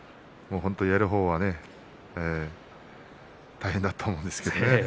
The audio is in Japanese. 本当にやる方は大変だと思うんですけどね。